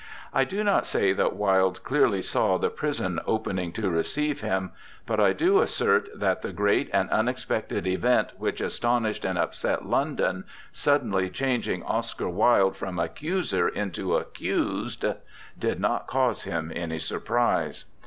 I do not say that Wilde clearly saw the prison opening to receive him, but I do assert that the great and unexpected event which astonished and upset London, suddenly changing Oscar Wilde from accuser into accused, did not cause him any surprise.